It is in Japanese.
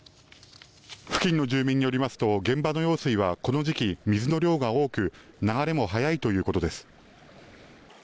「付近の住民によりますと現場の用水はこの時期水の量が多く流れも速いということです」